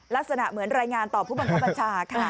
ลักษณะเหมือนรายงานต่อผู้บังคับบัญชาค่ะ